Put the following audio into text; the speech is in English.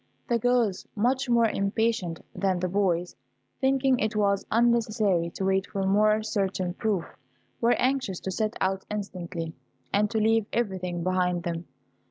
The girls, much more impatient than the boys, thinking it was unnecessary to wait for more certain proof, were anxious to set out instantly, and to leave everything behind them.